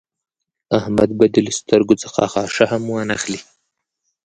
احمد به دې له سترګو څخه خاشه هم وانخلي.